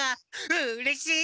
うれしい！